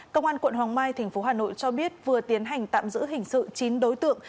công an quận hoàng mai tp hà nội cho biết vừa tiến hành tạm giữ hình sự chín đối tượng